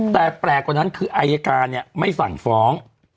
แต่แปลกกว่านั้นคืออายการเนี่ยไม่สั่งฟ้อง